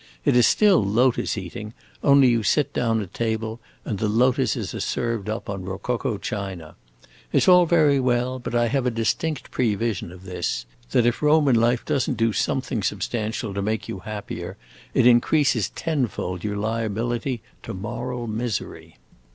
It is still lotus eating, only you sit down at table, and the lotuses are served up on rococo china. It 's all very well, but I have a distinct prevision of this that if Roman life does n't do something substantial to make you happier, it increases tenfold your liability to moral misery.